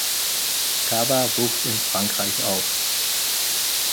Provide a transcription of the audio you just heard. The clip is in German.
Kaba wuchs in Frankreich auf.